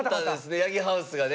八木ハウスがね。